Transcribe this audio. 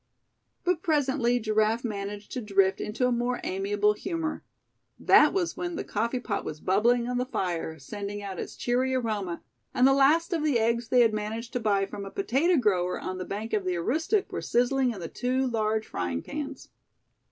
But presently Giraffe managed to drift into a more amiable humor. That was when the coffee pot was bubbling on the fire, sending out its cheery aroma; and the last of the eggs they had managed to buy from a potato grower on the bank of the Aroostook were sizzling in the two large frying pans.